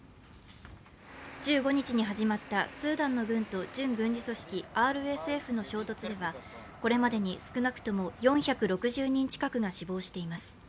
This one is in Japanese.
１５日に始まったスーダンの軍と準軍事組織ＲＳＦの衝突ではこれまでに少なくとも４６０人近くが死亡しています。